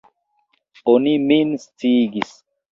Oni min sciigis.